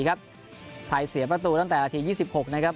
ครับไทยเสียประตูตั้งแต่ละทียี่สิบหกนะครับ